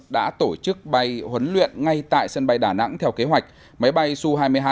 đã tổ chức bay huấn luyện ngay tại sân bay đà nẵng theo kế hoạch máy bay su hai mươi hai